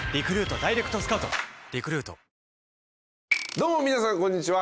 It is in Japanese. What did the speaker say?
どうも皆さんこんにちは。